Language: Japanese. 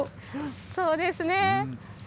そうですね。